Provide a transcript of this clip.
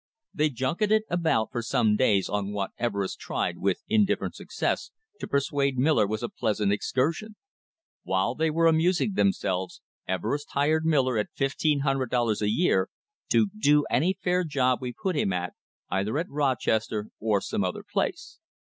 They junketed about for some days on what Everest tried, with indifferent success, to persuade Miller was a pleas ure excursion! While they were amusing themselves, Everest hired Miller at $1,500 a year to "do any fair job we put him at, either at Rochester or some other place."